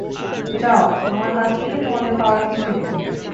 যাও, আমার কাছে তোমাদের পাওয়ার কিছুই নেই।